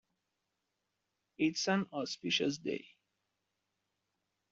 It's an auspicious day.